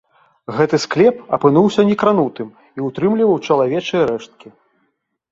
Гэты склеп апынуўся некранутым і ўтрымліваў чалавечыя рэшткі.